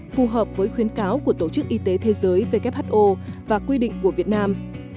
phù hợp với khuyến cáo của tổ chức y tế thế giới who và quy định của việt nam